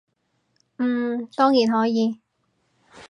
嗯，當然可以